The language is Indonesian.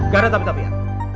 gak ada tapi tapi ya